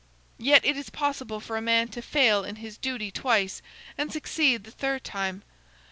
Yet it is possible for a man to fail in his duty twice, and succeed the third time.